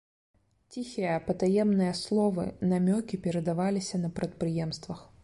Ціхія патаемныя словы, намёкі перадаваліся на прадпрыемствах.